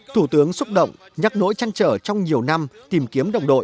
thủ tướng xúc động nhắc nỗi chăn trở trong nhiều năm